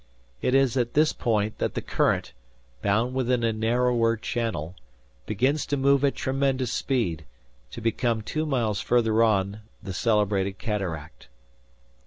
It is at this point that the current, bound within a narrower channel, begins to move at tremendous speed, to become two miles further on, the celebrated cataract.